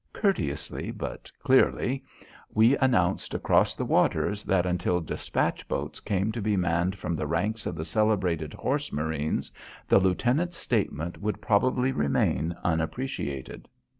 Courteously, but clearly, we announced across the waters that until despatch boats came to be manned from the ranks of the celebrated horse marines, the lieutenant's statement would probably remain unappreciated.